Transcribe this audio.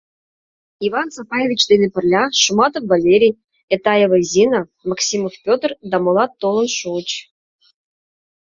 Иван Сапаевич дене пырля Шуматов Валерий, Этаева Зина, Максимов Петр да молат толын шуыч.